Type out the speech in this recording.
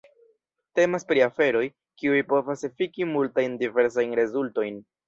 Temas pri aferoj, kiuj povas efiki multajn diversajn rezultojn.